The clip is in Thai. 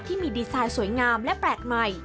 ที่มีดีไซน์สวยงามและแปลกใหม่